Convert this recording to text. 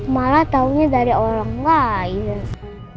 malah taunya dari orang lain